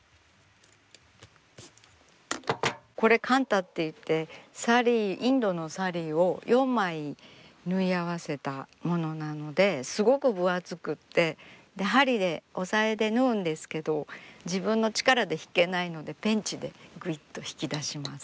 これカンタっていってサリーインドのサリーを４枚縫い合わせたものなのですごく分厚くて針で押さえで縫うんですけど自分の力で引けないのでペンチでぐいっと引き出します。